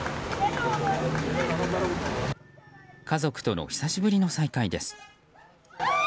家族との久しぶりの再会です。